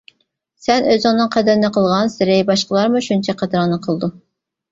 سەن ئۆزۈڭنىڭ قەدرىنى قىلغانسېرى باشقىلارمۇ شۇنچە قەدرىڭنى قىلىدۇ.